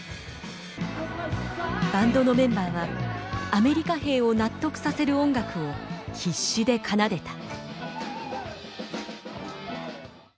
バンドのメンバーはアメリカ兵を納得させる音楽を必死で奏でた。